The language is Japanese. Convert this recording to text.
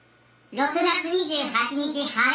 「６月２８日晴れ！